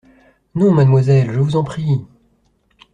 Non, mademoiselle… je vous en prie…